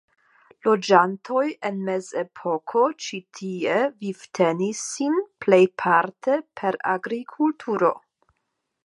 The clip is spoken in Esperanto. Loĝantoj en mezepoko ĉi tie vivtenis sin plejparte per agrikulturo.